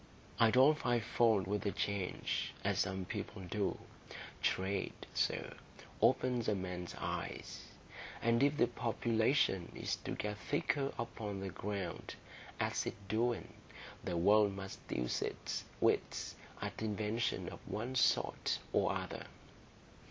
I don't find fault with the change, as some people do. Trade, sir, opens a man's eyes; and if the population is to get thicker upon the ground, as it's doing, the world must use its wits at inventions of one sort or other.